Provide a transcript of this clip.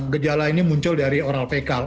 gejala ini muncul dari oral pkl